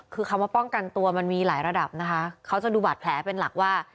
คือคำว่าป้องกันตัวมันมีหลายระดับนะคะเขาจะดูบาดแผลเป็นหลักว่า